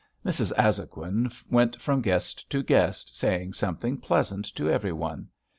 Mrs. Azhoguin went from guest to guest saying something pleasant to every one.